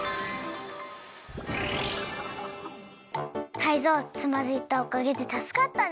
タイゾウつまずいたおかげでたすかったね！